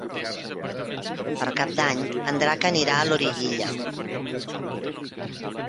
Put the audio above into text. Per Cap d'Any en Drac anirà a Loriguilla.